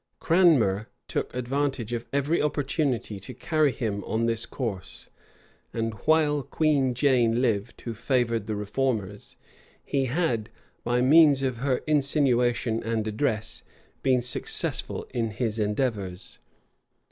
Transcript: Cranmner took advantage of every opportunity to carry him on in this course; and while Queen Jane lived, who favored the reformers, he had, by means of her insinuation and address, been successful in his endeavors.